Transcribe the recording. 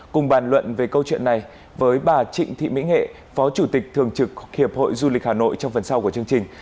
cùng bàn luận về câu chuyện này với bà trịnh thị mỹ nghệ phó chủ tịch thường trực hiệp hội du lịch hà nội trong phần sau của chương trình